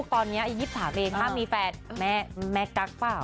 ตอนนี้๒๓เองถ้ามีแฟนแม่กั๊กเปล่า